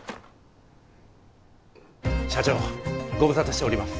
社長ご無沙汰しております。